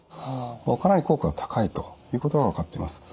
かなり効果が高いということが分かっています。